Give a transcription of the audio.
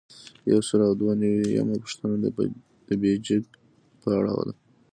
یو سل او دوه نوي یمه پوښتنه د بیجک په اړه ده.